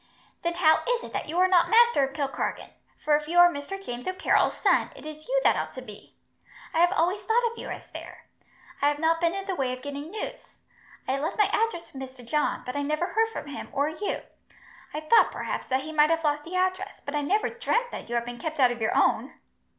"Then how is it that you are not master of Kilkargan, for if you are Mr. James O'Carroll's son, it is you that ought to be? I have always thought of you as there. I have not been in the way of getting news. I left my address with Mr. John, but I never heard from him, or you. I thought, perhaps, that he might have lost the address, but I never dreamt that you had been kept out of your own."